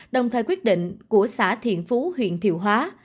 đồng thời quyết định của xã thiện phú huyện thiệu hóa